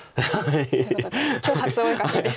ということで今日初お絵描きです。